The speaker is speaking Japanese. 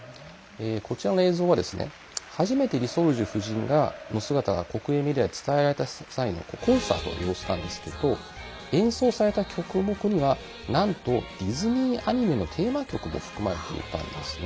こちらの映像は初めてリ・ソルジュ夫人の姿が国営メディアで伝えられた際のコンサートの様子なんですけど演奏された曲目にはなんと、ディズニーアニメのテーマ曲も含まれていたんですね。